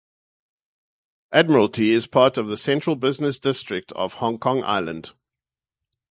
Admiralty is part of the Central Business District of Hong Kong Island.